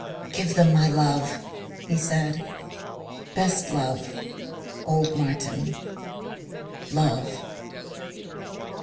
"Give them my love," he said. "Best love...Old Martin. Love."